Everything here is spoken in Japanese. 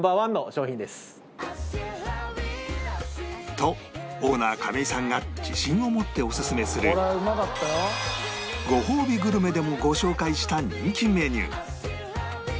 とオーナー亀井さんが自信を持っておすすめするごほうびグルメでもご紹介した人気メニュー